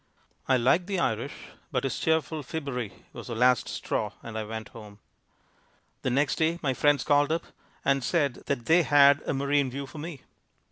I like the Irish but his cheerful fibbery was the last straw and I went home. The next day my friends called up and said that they had a marine view for me.